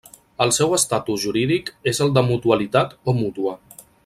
El seu estatus jurídic és el de mutualitat o mútua.